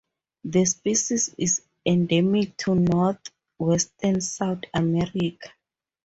The species is endemic to northwestern South America.